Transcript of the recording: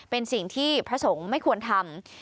เป็นสิ่งที่พระสงฆ์ไม่ควรทำ